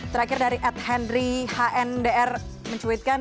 terakhir dari ad hendry hndr men tweetkan